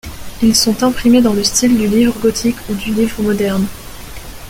Ils sont imprimés dans le style du livre gothique ou du livre moderne.